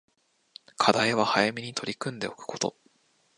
課題は早めに取り組んでおくこと